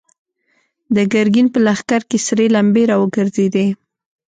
د ګرګين په لښکر کې سرې لمبې را وګرځېدې.